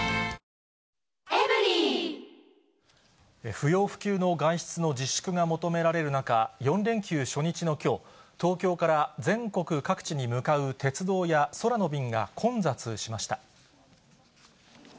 不要不急の外出の自粛が求められる中、４連休初日のきょう、東京から全国各地に向かう鉄道や空の便が混雑しました。